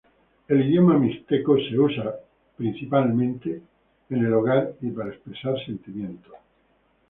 El idioma mixteco es principalmente utilizado en el hogar y para expresar sentimientos.